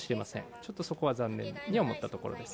ちょっとそこは残念に思ったところです。